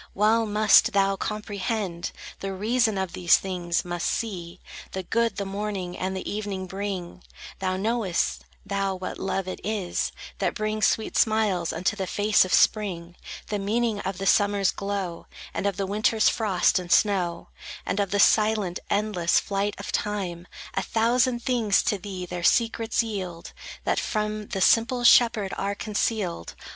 Well must thou comprehend The reason of these things; must see The good the morning and the evening bring: Thou knowest, thou, what love it is That brings sweet smiles unto the face of spring; The meaning of the Summer's glow, And of the Winter's frost and snow, And of the silent, endless flight of Time. A thousand things to thee their secrets yield, That from the simple shepherd are concealed.